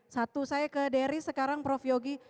satu saya ke dery sekarang prof yogi